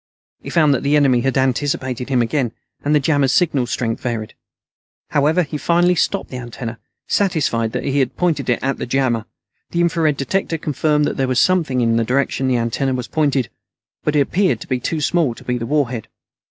He found that the enemy had anticipated him again, and the jammer's signal strength varied. However, he finally stopped the antenna, satisfied that he had it pointed at the jammer. The infrared detector confirmed that there was something in the direction the antenna pointed, but it appeared too small to be the warhead.